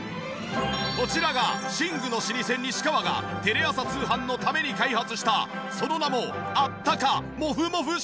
こちらが寝具の老舗西川がテレ朝通販のために開発したその名もあったかモフモフ寝具。